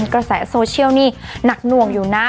กระแสโซเชียลนี่หนักหน่วงอยู่นะ